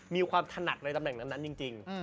มีความถนัดในตำแหน่งนั้นจริง